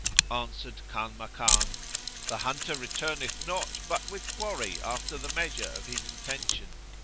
Answered Kanmakan, "The hunter returneth not but with quarry after the measure of his intention.